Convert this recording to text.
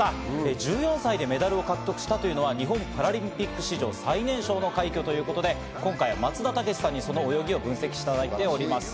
１４歳でメダルを獲得したというのは日本パラリンピック史上最年少の快挙ということで今回は松田丈志さんにその泳ぎを分析していただいております。